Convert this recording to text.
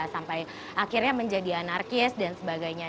sampai akhirnya menjadi anarkis dan sebagainya